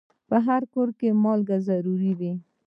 په هر کور کې مالګه ضرور وي.